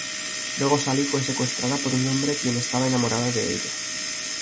Luego Sally fue secuestrada por un hombre quien estaba enamorado de ella.